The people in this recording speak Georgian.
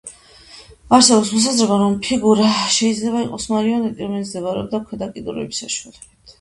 არსებობს მოსაზრება, რომ ფიგურა შეიძლება იყოს მარიონეტი, რომელიც მოძრაობდა ქვედა კიდურების საშუალებით.